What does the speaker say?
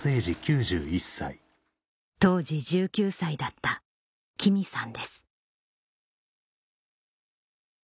当時１９歳だったキミさんです